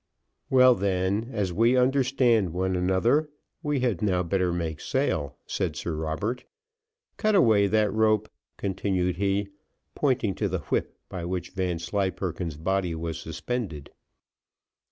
"Well, then, as we understand one another, we had now better make sail," said Sir Robert. "Cut away that rope," continued he, pointing to the whip by which Vanslyperken's body was suspended.